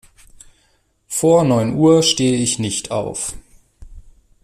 Vor neun Uhr stehe ich nicht auf.